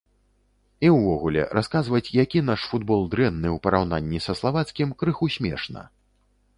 І ўвогуле, расказваць, які наш футбол дрэнны ў параўнанні са славацкім, крыху смешна.